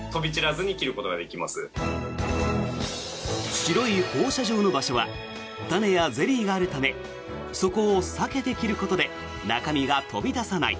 白い放射状の場所は種やゼリーがあるためそこを避けて切ることで中身が飛び出さない。